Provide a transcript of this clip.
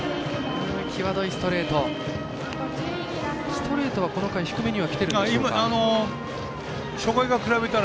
ストレートは、この回低めにはきてるんでしょうか。